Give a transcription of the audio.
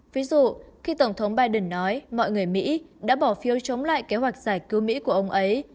ví dụ khi tổng thống biden nói mọi người mỹ đã bỏ phiếu chống lại kế hoạch giải cứu mỹ của ông ấy